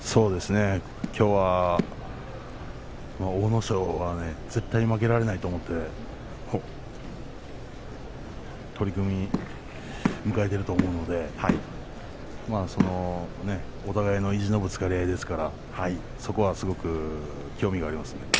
きょうは阿武咲は絶対負けられないと思うので取組を迎えていると思うのでお互いの意地のぶつかり合いですからそこはすごく興味がありますね。